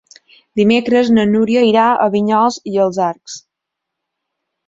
Dimecres na Núria irà a Vinyols i els Arcs.